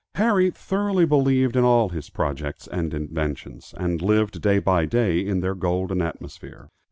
Harry thoroughly believed in all his projects and inventions, and lived day by day in their golden atmosphere.